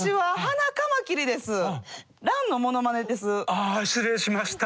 ああ失礼しました。